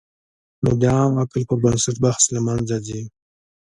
نو د عام عقل پر بنسټ بحث له منځه ځي.